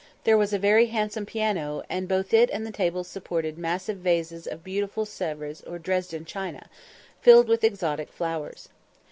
There was a very handsome piano, and both it and the tables supported massive vases of beautiful Sevres or Dresden china, filled with exotic flowers.